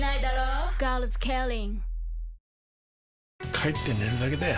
帰って寝るだけだよ